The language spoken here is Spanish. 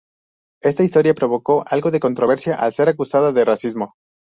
Esta historia provocó algo de controversia al ser acusada de racismo.